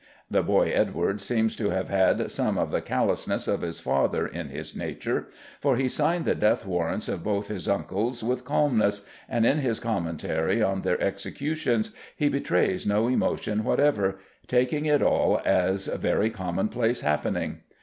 The boy Edward seems to have had some of the callousness of his father in his nature, for he signed the death warrants of both his uncles with calmness, and in his commentary on their executions he betrays no emotion whatever, taking it all as very commonplace happening.